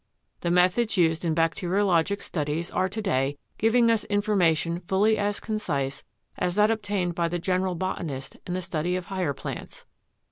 The methods used in bacteriologic studies are to day giving us information fully as concise as that obtained by the general botanist in the study of higher plants.